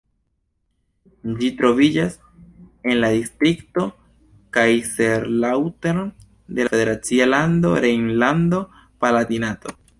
Ĝi troviĝas en la distrikto Kaiserslautern de la federacia lando Rejnlando-Palatinato.